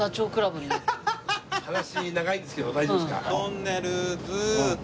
話長いですけど大丈夫ですか？